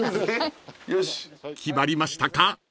［決まりましたか？